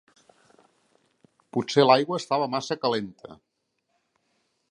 Potser l'aigua estava massa calenta.